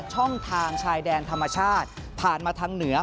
ช่องทางชายแดนธรรมชาติผ่านมาทางเหนือ